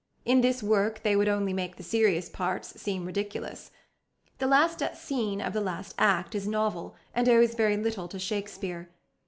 In this work they would only make the serious parts seem ridiculous. The last scene of the last act is novel, and owes very little to Shakespeare.